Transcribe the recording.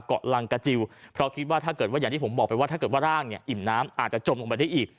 เกาะลังกาจิลเพราะคิดว่าถ้าเกิดว่าอย่างที่ผมบอกไปว่าถ้าเกิดว่าร่างเนี่ยอิ่มน้ำอาจจะจมลงไปได้อีก